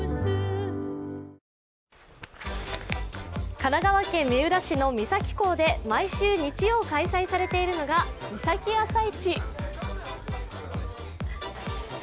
神奈川県三浦市の三崎港で毎週日曜開催されているのが三崎朝市。